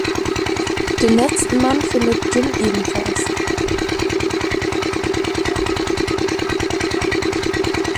Den letzten Mann findet Jim ebenfalls.